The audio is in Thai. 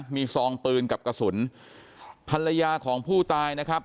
มีซองปืนกับกระสุนภรรยาของผู้ตายนะครับ